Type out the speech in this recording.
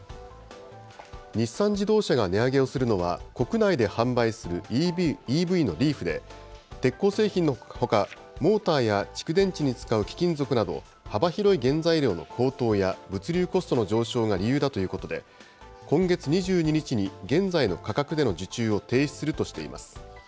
日産自動車が値上げをするのは国内で販売するＥＶのリーフで、鉄鋼製品のほか、モーターや蓄電池に使う貴金属など、幅広い原材料の高騰や物流コスト上昇が理由だということで、今月２２日に現在の価格での受注を停止するとしています。